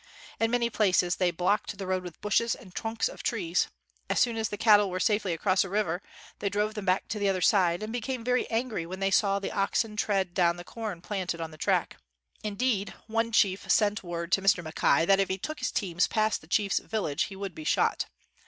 In many places, they blocked the road with bushes and trunks of trees; as soon as the cattle were safely across a river, they drove them back to the other side; and became very angry when they saw the oxen tread down the corn planted on the track. Indeed, one chief sent word to Mr. Mackay that if he took his teams past the chief's village he would be shot.